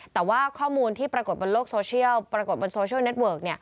แต่ว่าข้อมูลที่ปรากฏบนโลกโซเชียลปรากฏบนโซเชียลเน็ตเวิร์ก